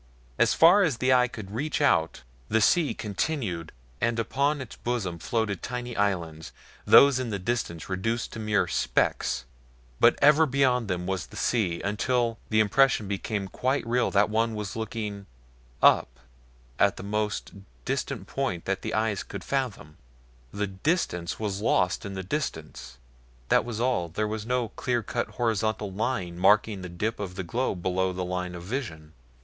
As far as the eye could reach out the sea continued and upon its bosom floated tiny islands, those in the distance reduced to mere specks; but ever beyond them was the sea, until the impression became quite real that one was LOOKING UP at the most distant point that the eyes could fathom the distance was lost in the distance. That was all there was no clear cut horizontal line marking the dip of the globe below the line of vision.